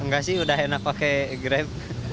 nggak sih udah enak pakai grab